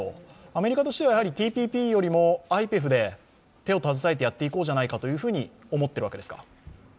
アメリカとしてはＴＰＰよりもＩＰＥＦで手を携えてやっていこうじゃないかと思っているわけですか？